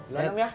loan em ya